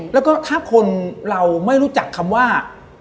แล้วก็ถ้าคนเราไม่รู้จักคำว่า